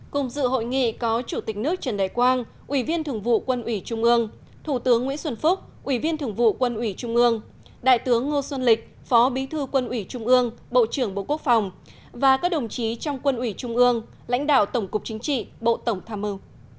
cùng dự hội nghị có chủ tịch nước trần đại quang ủy viên thường vụ quân ủy trung ương thủ tướng nguyễn xuân phúc ủy viên thường vụ quân ủy trung ương đại tướng ngô xuân lịch phó bí thư quân ủy trung ương bộ trưởng bộ quốc phòng và các đồng chí trong quân ủy trung ương lãnh đạo tổng cục chính trị bộ tổng tham mưu